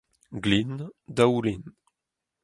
glin, daoulin